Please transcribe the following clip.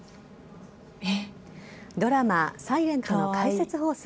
ドラマ、ｓｉｌｅｎｔの解説放送。